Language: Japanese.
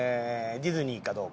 ディズニーかどうか。